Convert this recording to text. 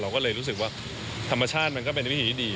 ก็เลยรู้สึกว่าธรรมชาติมันก็เป็นวิธีที่ดี